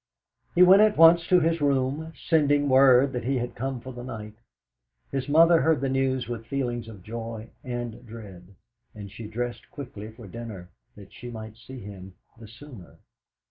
He went at once to his room, sending word that he had come for the night. His mother heard the news with feelings of joy and dread, and she dressed quickly for dinner, that she might see him the sooner.